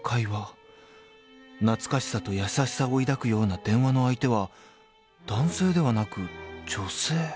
［懐かしさと優しさを抱くような電話の相手は男性ではなく女性？］